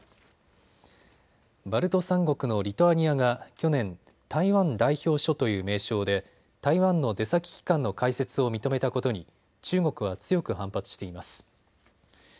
バルト３国のリトアニアが去年、台湾代表処という名称で台湾の出先機関の開設を認めたことに中国は強く反発しています。